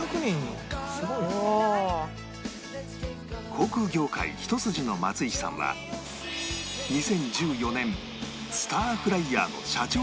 航空業界ひと筋の松石さんは２０１４年スターフライヤーの社長に就任